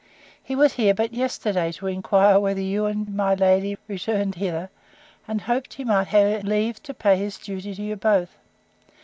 He was here but yesterday, to inquire when you and my lady returned hither; and hoped he might have leave to pay his duty to you both.